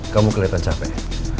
kamu kelihatan capek